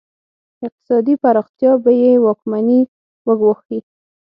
اقتصادي پراختیا به یې واکمني وګواښي.